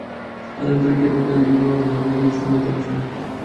আদালতে রিটের পক্ষে আইনজীবী মাহফুজুর রহমান নিজেই শুনানিতে অংশ নেন।